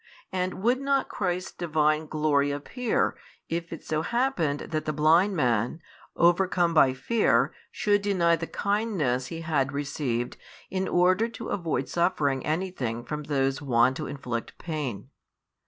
And would not Christ's Divine glory appear, if it so happened that the blind man, overcome by fear, should deny the kindness he had received, in order to |31 avoid suffering anything from those wont to inflict pain?